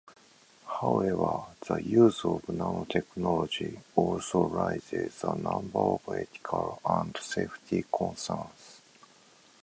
However, the use of nanotechnology also raises a number of ethical and safety concerns.